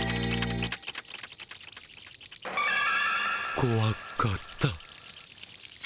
こわかった。